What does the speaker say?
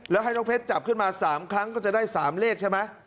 แล้วให้น้องเพชรจับขึ้นมา๓ครั้งก็จะได้๓เลขใช่ไหม